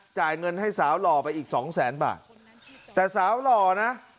จ่ายเงินให้สาวหล่อไปอีกสองแสนบาทแต่สาวหล่อนะ